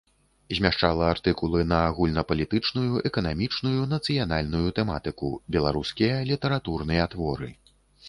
Змяшчала артыкулы на агульнапалітычную, эканамічную, нацыянальную тэматыку, беларускія літаратурныя творы.